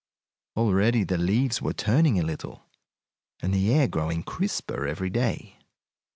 Already the leaves were turning a little, and the air growing crisper every day.